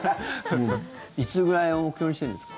いつぐらいを目標にしてるんですか？